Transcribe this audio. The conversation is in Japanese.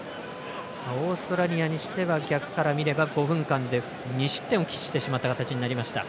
オーストラリアにしては逆から見れば５分間で２失点を喫してしまった形になりました。